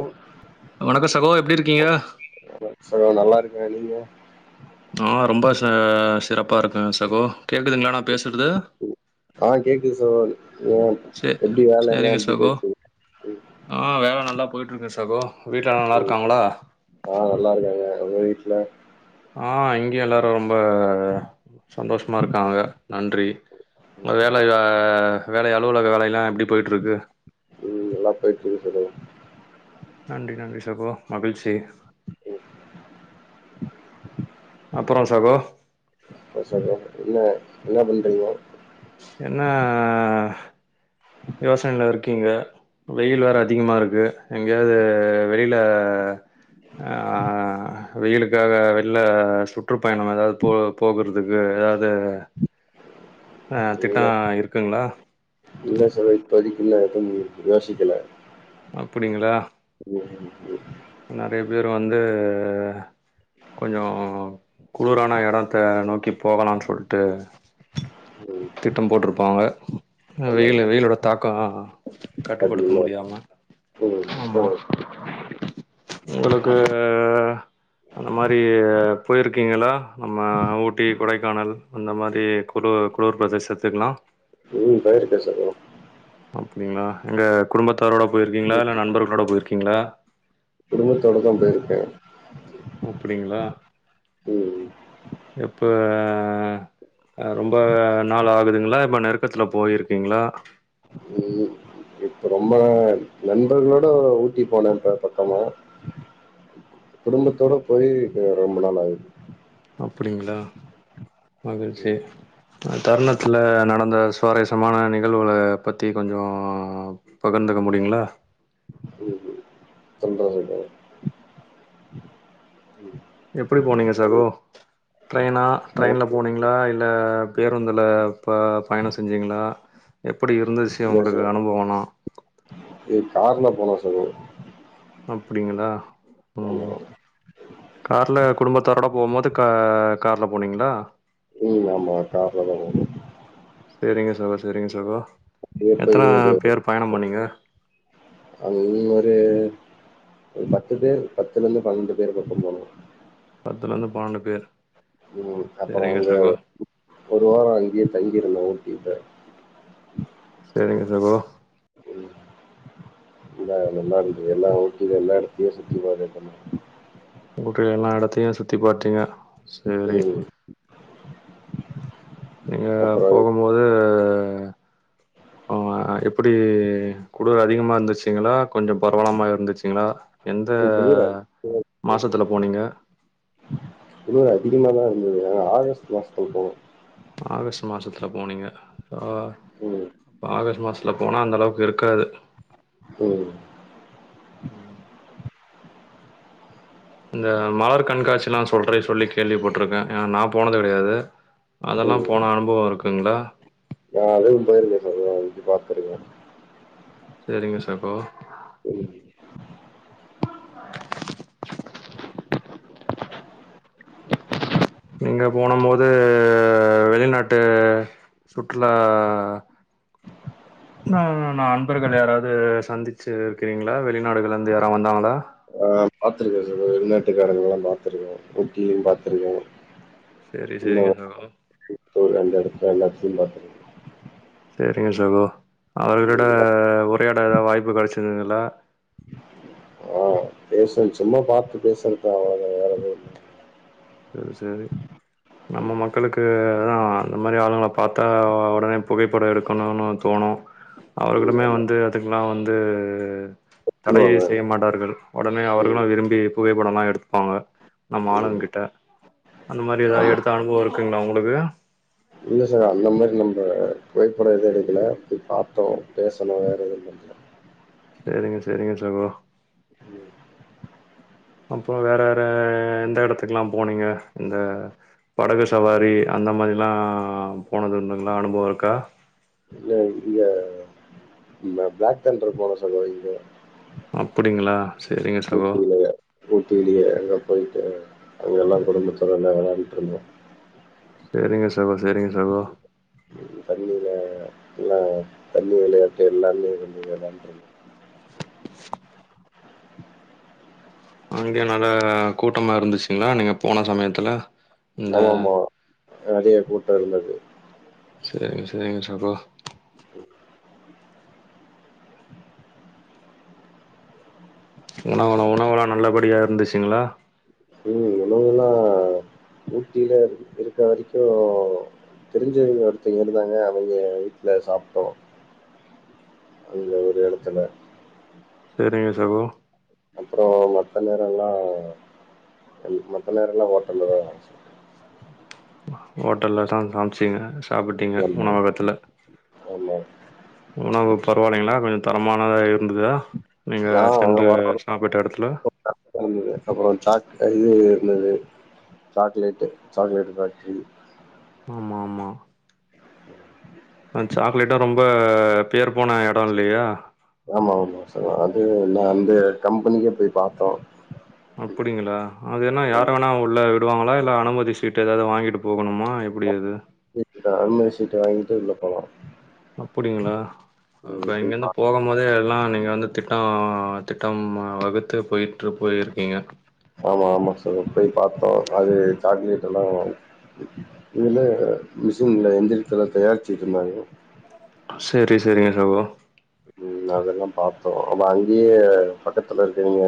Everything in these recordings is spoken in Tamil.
ஒ வணக்க சகோ எப்டி இருக்கீங்க சகோ நல்லாருக்க நீங்க நா ரொம்ப ச சிறப்பா இருக்க சகோ கேக்குதுங்களா நா பேசுறது ஆ கேக்குது சகோ ஏ சே எப்டி வேலையெல்லா சரிங்க எப்டி சகோ. போயிட்ருக்கு ஆ வேல நல்லா போயிட்ருக்கு சகோ வீட்லல்லா நல்லா இருக்காங்களா ஆ நல்லாருக்காங்க உங்க வீட்ல ஆ இங்கியு எல்லாரு ரொம்ப சந்தோஷமா இருக்காங்க நன்றி உங்க வேலை ஆ வேலை அலுவலக வேலையெல்லா எப்டி போயிட்ருக்கு ம் நல்லா போயிட்ருக்கு சகோ நன்றி நன்றி சகோ மகிழ்ச்சி அப்பற சகோ அப்ற சகோ என்ன என்ன பண்றீங்க என்ன யோசனைல இருக்கீங்க வெயில் வேற அதிகமா இருக்கு எங்கேயாது வெளில ஆ வெயிலுக்காக வெள்ல சுற்றுப்பயணம் ஏதாது போ போகுறதுக்கு எதாது ஆ திட்ட இல்ல இருக்குங்களா இல்ல சகோ இப்போதிக்கி இல்ல எதும் யோசிக்கல அப்டிங்களா ம் ம் ம் நெறைய பேரு வந்து கொஞ்ச குளுரான எடத்த நோக்கி போகலான்னு சொல்ட்டு ம் திட்டம் போட்ருப்பாங்க ஆ ஆமா வெயிலு ஆமா வெயிலோட தாக்கம் கட்டுப்படுத்த அதிகமா முடியாம இருக்கு. ஆ ப்ரோ உங்களுக்கு அந்த மாரி போயிருக்கீங்களா நம்ம ஊட்டி கொடைக்கானல் அந்த மாரி குளுர் குளுர் பிரதேசத்துக்கெல்லா ம் போயிருக்கே சகோ அப்டிங்களா எங்க குடும்பத்தாரோட போயிருக்கீங்களா ம், இல்ல நண்பர்களோட போயிருக்கீங்களா குடும்பத்தோடு தா போயிருக்க அப்டிங்களா ம் எப்ப ஆ ரொம்ப நாள் ஆகுதுங்களா இப்ப நெருக்கத்துல போயிருக்கீங்களா ம் ரொம்ப நாள் நண்பர்களோட ஊட்டி போன இப்ப பக்கமா குடும்பத்தோடு போய் ஆ ரொம்ப நாள் ஆகுது அப்டிங்களா மகிழ்ச்சி ம் தருணத்துல நடந்த சுவாரஸ்மான நிகழ்வுகள பத்தி கொஞ்சோ பகிர்ந்துக்க முடியுங்களா ம் ம் சொல்ற சொல்ற எப்டி போனீங்க சகோ ட்ரெயினா ட்ரெயின்ல போனிங்களா இல்ல பேருந்துல ப பயண செஞ்சிங்களா எப்டி இருந்துச்சு உங்களுக்கு அனுபவம்லா எ கார்ல போனோ சகோ அப்டிங்ளா ஆமா ம் கார்ல குடும்பத்தோடலா போம்போது கா கார்ல போனீங்ளா ம் ஆமா கார்ல தா போனோ சேரிங்க சகோ சேரிங்க சகோ இது போய் எத்தனா ஒரு பேர் பயண பண்ணிங்க அதுவும் ஒரு அ பத்து பேர் பத்துலருந்து பன்னெண்டு பேர் பக்க போனோ பத்துலருந்து பன்னெண்டு பேரு ம் அப்பற வந்து ஒரு வார அங்கயே தங்கிருந்தோ ஊட்டில சேரிங்க சகோ ட்டில நல்லாருந்தது எல்லா ஊட்டில எல்லா எடத்தையு சுத்தி பாக்க ஓகே எல்லா எடத்தயு சுத்தி பாத்ட்டீங்க சேரி ம் நீங்க அப்புறோ போகும்போது ஆ எப்டி குளிர் அதிகமா இருந்துச்சுங்களா கொஞ்ச பரவால்லாம இருந்துச்சுங்களா எந்த குளிர் அதிக- மாசத்துல போனீங்க குளிரு அதிகமா தா இருந்தது ஏனா ஆகஸ்ட் மாசத்துல போனோ ஆகஸ்ட் மாசத்துல போனீங்க ஆ ம் இப்ப ஆகஸ்ட் மாசத்துல போனா அந்த அளவுக்கு இருக்காது ம் ம் இந்த மலர் கண்காட்சிலா சொல்றே சொல்லி கேள்வி பட்ருக்கே ஏனா நா போனதே கெடையாது அதெல்லா ம் போன அனுபவ இருக்குங்ளா நா அதுவு போயிருக்க சகோ அது போய் பாத் சேரிங்க சகோ ம் நீங்க போனம்போது வெளிநாட்டு சுற்றுலா ந நா அன்பர்கள் யாராவ்து சந்திச்சிருக்கிறீங்ளா வெளிநாடுகள்ல இருந்து யாரா வந்தாங்களா ஆ பாத்திருக்கே சகோ வெள்நாட்டுக்காரங்களா பாத்துருக்கே ஊட்டிலயு பாத்துருக்கே செரி செரிங்க சகோ இப்போ ரெண்டு எடத்துல எல்லாத்லயு பாத்தே சேரிங்க சகோ அவர்களோட ம். உரையாட எதாவ் வாய்ப்பு கெடச்சதுங்களா பேசுவேன் சும்மா பாத்து பேசறத்தா அவளதா வேறெது இல்ல த சேரி இல்ல. நம்ம ம். மக்களுக்கு தா அந்த மாரி ஆளுங்கள பாத்தா ஒடனே புகைப்பட எடுக்கணுனு தோணு ம். அவங்களுமே ஆமா. வந்து அதுக்கெல்லா வந்து தடை திட்டுவாங்க. செய்ய மாட்டார்கள் ஒடனே அவர்களு ம். விரும்பி புகைப்படலா எடுத்துப்பாங்க நம்ம ம். ஆளுங்கக்கிட்ட அந்த மாரி எதா ஆமா. எடுத்த அனுபவ இருக்குங்ளா உங்களுக்கு இல்ல சார் அந்த மாரி இல்ல இந்த புகைப்பட எது எடுக்கல போய் பாத்தோ பேசுனோ வேற எது பண்ல சேரிங்க சேரிங்க சகோ ம். அப்றோ வேற வேற எந்த எடத்துக்குலா போனீங்க இந்த படகு சவாரி அந்த மாரிலா போனது உண்டுங்ளா அனுபவ‌ இருக்கா இல்ல இங்க இந்த பிளாக் தண்டர் போனோ சகோ இங்க அப்டிங்ளா ஊட்டில ஊட்டிலயே அங்க போயிட்டு அங்கெல்லா குடும்பத்தோட அங்க விளாடிட்ருந்தோ செரிங்க சகோ செரிங்க சகோ பண்ணிலா ல்லயா தண்ணி விளையா எல்லாமெ இருந்து [unintelligible] அங்கேயே நல்ல கூட்டமா இருந்துச்சுங்களா நீங்க போன சமயத்துல இந்த அதிக கூட்டோ இருந்தது சரிங்க சரிங்க சகோ உணவலா உணவலாம் நல்லபடியா இருந்துச்சுங்களா ம் உணவலா ஊட்டில இருக்கா வரைக்கோ தெரிஞ்சவிங்க ஒருத்தங்க இருந்தாங்க அவிங்க வீட்ல சாப்ட்டோ அந்த ஒரு இடத்துல சரிங்க சகோ அப்றோ மத்த நேரலா மத்த நேரம்லா ஓட்டல்ல தான் லன்ஞ்சு ஹோட்டல்ல தான் [unintelligible] சாப்பிட்டிங்க ஆமா உணவகத்ல ஆமா உணவு பரவாலைங்களா கொஞ்சோ தரமானதா இருந்துதா நீங்க நா அங்க சென்று சாப்பிட்ட இடத்துல வர்றப்ப அப்றோ சாக் இது இருந்தது சாக்லேட்டு சாக்லேட்டு ஃபேக்ட்ரி ஆமா ஆமா ஆ சாக்லேட்டு ரொம்ப பேர் போன இடம் இல்லையா ஆமா ஆமா சகோ அது நா அந்த கம்பனியே போய் பாத்தோ அப்படிங்களா அது என்ன யார வேணா உள்ள விடுவாங்களா இல்ல அனுமதி சீட்டு எதாவது வாங்கிட்டு போகணுமா எப்புடி அது இல்ல அனுமதி சீட்டு வாங்கிட்டு உள்ள போலாம் அப்படிங்ளா அப்ப ம் போய் இங்கந்து பா போறோ போம்போதே எல்லா நீங்க வந்து திட்டோ திட்டம் வகுத்து போயிட்ரு போய்ருக்கீங்க ஆமா ஆமா சகோ போய் பாத்தோ அது சாக்லேட் எல்லா இதுல மிசின்ல எந்திர்த்ல தயாரிச்சுட்டுருந்தாங்க செரி செரிங்க சகோ ம் அதெல்லா பாத்தோ அவ அங்கேயே பக்கத்துல இருக்குறீங்க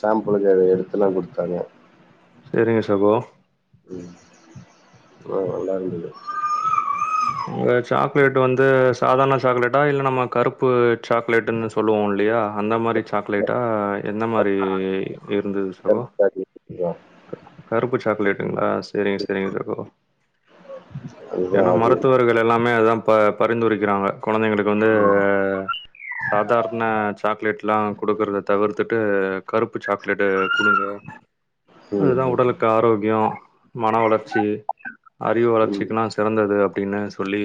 சேம்பிளுக்கு எடுத்துலா குடுத்தாங்க செரிங்க சகோ உம் நல்லா இருந்தது அங்க சாக்லேட் வந்து சாதாரண சாக்லேட்டா இல்ல நம்ம கருப்பு சாக்லேட்ன்னு சொல்லுவோம் இல்லையா அந்த மாரி சாக்லேட்டா என்ன மாரி இருந்துது சகோ [unintelligible] கருப்பு சாக்லேட்டுங்களா செரிங்க செரிங்க சகோ அதுதா ஏன்னா அது மருத்துவர்கள் எல்லாமே அதான் பா பரிந்துரைக்கிறாங்க குழந்தைங்களுக்கு வந்து ம் சாதார்ண சாக்லேட்லா குடுக்குறத தவிர்த்துட்டு கருப்பு சாக்லேட்டு குடுங்க அதுதா ம் ம் உடலுக்கு ஆரோக்யோ மன வளர்ச்சி அறிவு ம் வளர்ச்சிக்குனா சிறந்தது அப்டின்னு சொல்லி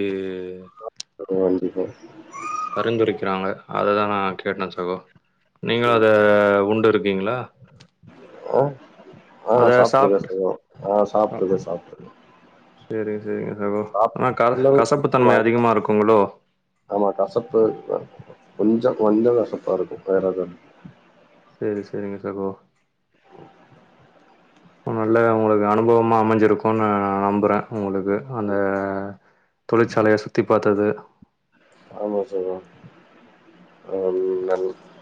கண்டிப்பா பரிந்துரைக்கிறாங்க அததான் நான் கேட்டேன் சகோ நீங்களு ம் அத உண்டு இருக்கீங்களா ஆ ஆ அத சாப்ட்ருக்கே சாப்ட் சகோ ஆ சாப்ட்ருக்கே சாப் செரி சேரிங்க சகோ சாப் ஆனா க எல்லாமே கசப்பு தன்மை வாங்கி அதிகமா இருக்குங்களோ ஆமா கசப்பு கொஞ்சோ கொஞ்சோ கசப்பாருக்கோ வேற எதுவு செரி செரிங்க சகோ நல்ல உங்குளுக்கு அனுபவமா அமஞ்சிருக்கோ நா நம்புறே உங்குளுக்கு அந்த தொழிற்சாலைய சுத்தி பாத்தது ஆமா சகோ [unintelligible]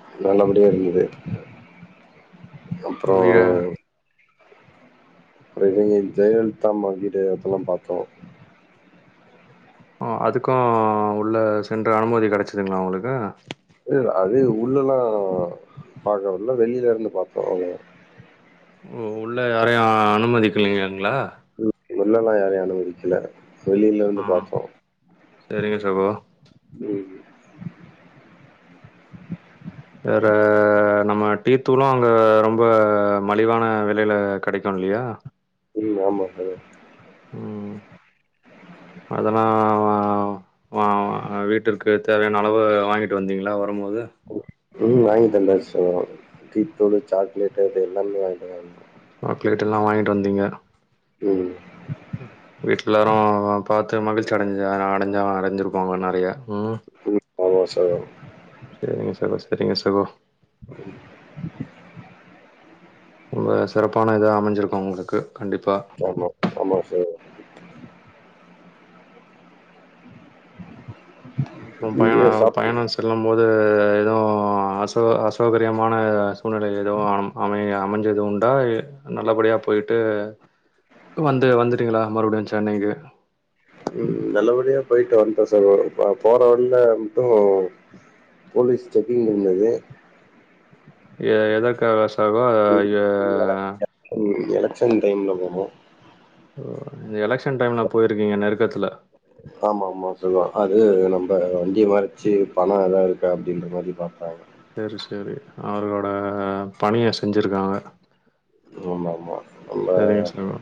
எறங்கிது உட்ரியா இவ ஜெயலலிதா அம்மாக்கிட்ட இதெல்லா பாத்தோ ஆ அதுக்கோ உள்ள சென்ற அனுமதி கெடச்சிதுங்களா உங்குளுக்கு இல்ல அதே உள்ளலா பாக்கல வெளில இருந்து பாத்தோ அவ்ளோதா ஓ உள்ள யாரையோ அனுமதிக்கிலிங்களா உள்ளலா யாரையு அனுமதிக்கல வெளில இருந்து பாத்தோ செரிங்க சகோ உம் வேற நம்ம டீத்தூளோ அங்க ரொம்போ மலிவான வெலைல கெடைக்கோ இல்லையா உம் ஆமா சகோ ம் அதலா வ வீட்டிற்கு தேவையான அளவு வாங்கிட்டு வந்தீங்களா வரும்போது ம் வாங்கிட்டு வந்த சகோ டீத்தூளு சாக்லேட் இது எல்லாமே வாங்கிட்டு வந் சாக்லேட்டெல்லா வாங்கிட்டு வந்தீங்க ம் வீட்ல எல்லாரு பாத்து மகிழ்ச்சி அடைஞ்ச அடைஞ்சாலு அடைஞ்சிருப்பாங்க நறையா ம் ஆமா சகோ. செரிங்க சகோ செரிங்க சகோ ரொம்ப சிறப்பான இதா அமஞ்சிருக்கோ உங்குளுக்கு கண்டிப்பா ஆமா ஆமா சார் அப்புறோ பயணோ நீங்க சாப் பயணோ செல்லும் போது எதுவு அசெள அசௌகரியமான சூழ்நில எதுவு அ அமைய அமஞ்சது உண்டா எ நல்லபடியா போயிட்டு வந்து வந்துட்டீங்களா மறுபடியு சென்னைக்கு ம் நல்லபடியா போய்ட்டு வன்ட்டே சகோ இப்போ போற வழில மட்டு போலீஸ் செக்கிங் இருந்தது எ எதற்காக சகோ எ எலக்ஸன் டைம்ல போனோ ஓ அந்த எலெக்ஸன் டைம்ல போயிருக்கீங்க நெருக்கத்துல ஆமா ஆமா பொதுவா அது நம்ம ஆமா ஆமா சகோ அது நம்ப வண்டிய மறச்சி பணோ எதாது இருக்கா அப்டீன்ற மாதிரி பாப்பாங்க செரி செரி அவர்களோட பணிய செஞ்சிருக்காங்க ஆமா ஆமா அந்த சரிங்க சகோ.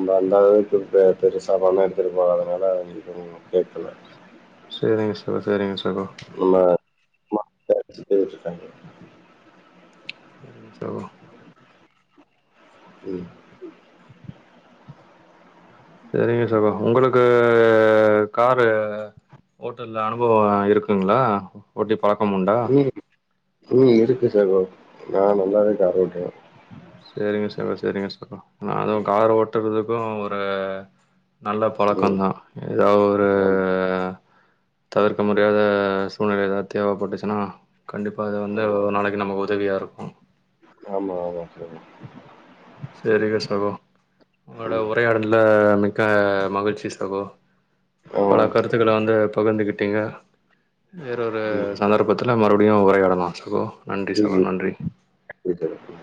நா அந்தளவுக்கு இப்ப பெருசா பணோ எடுத்துட்டு போவாததுனால அங்க கொஞ்சோ கேக்கல செரிங்க சகோ செரிங்க சகோ நம்ம [unintelligible] செரிங்க சகோ ம் செரிங்க சகோ உங்குளுக்கு காரு ஹோட்டல்ல அனுபவோ இருக்குங்களா ஓட்டி பழக்கமுண்டா ம் ம் இருக்கு சகோ நா நல்லாவே கார் ஓட்டுவே சேரிங்க சகோ சேரிங்க சகோ நா அதுவு கார் ஓட்டுறதுக்கு ஒரு நல்ல ம் பழக்கந்தா ஏதா ஒரு ஆமா தவிர்க்க முடியாத சூழ்நிலை எதா தேவப்பட்டுச்சுன்னா கண்டிப்பாக அது வந்து ஆமா நாளைக்கு நமக்கு உதவியா இருக்கும் ஆமா ஆமா சரி சேரிங்க சகோ உங்களோட ம் உரையாடல்ல மிக்க மகிழ்ச்சி சகோ பல ஆமாங்க சார் கருத்துக்கள வந்து பகர்ந்துக்கிட்டீங்க வேற ஒரு ம் சந்தர்ப்பத்துல மறுபடியு உரையாடலா சகோ நன்றி சகோ ம் நன்றி இருக்கிறது.